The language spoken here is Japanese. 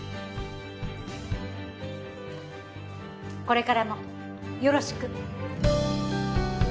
これからもよろしく。